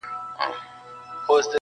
ور کول مو پر وطن باندي سرونه!.